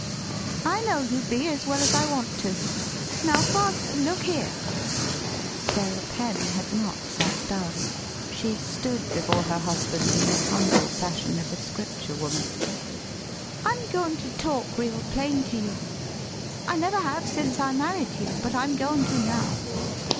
" I know you be, as well as I want to. Now, father, look here" [Sarah Penn had not sat down; she stood before her husband in the humble fashion of a Scripture woman ] "I'm goin' to talk real plain to you; I never have sence I married you, but I'm goin' to now.